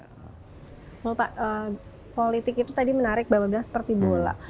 kalau pak politik itu tadi menarik bapak bilang seperti bola